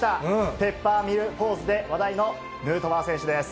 ペッパーミルポーズで話題のヌートバー選手です。